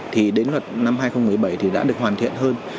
thì đến luật năm hai nghìn một mươi bảy thì đã được hoàn thiện hơn